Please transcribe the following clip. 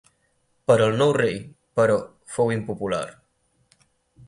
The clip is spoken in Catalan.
Però el nou rei però fou impopular.